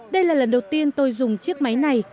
đây là lần đầu tiên tôi dùng chiếc máy này